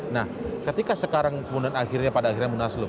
nah ketika sekarang kemudian akhirnya pada akhirnya munaslup